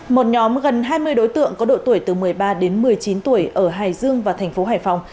một nhóm gần hai mươi đối tượng có độ tuổi từ một mươi ba đến một mươi chín tuổi ở hải dương và thành phố hải phòng